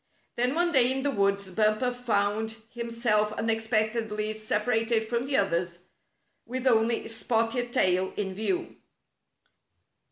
Then one day in the woods Bumper foimd him self unexpectedly separated from the others, with only Spotted Tail in view.